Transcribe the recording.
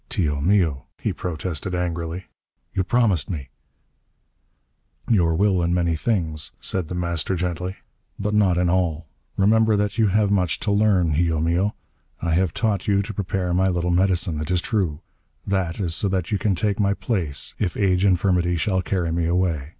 "Tio mio," he protested angrily, "you promised me " "Your will in many things," said The Master gently, "but not in all. Remember that you have much to learn, hijo mio. I have taught you to prepare my little medicine, it is true. That is so you can take my place if age infirmity shall carry me away."